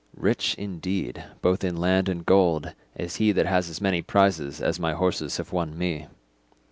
Rich, indeed, both in land and gold is he that has as many prizes as my horses have won me.